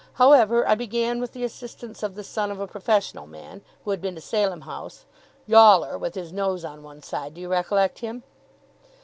However, I began, with the assistance of the son of a professional man, who had been to Salem House Yawler, with his nose on one side. Do you recollect him?